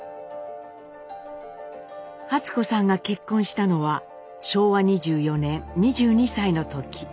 初子さんが結婚したのは昭和２４年２２歳の時。